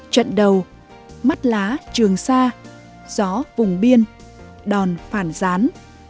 trận đầu mắt lá trường xa gió vùng biên đòn phản rán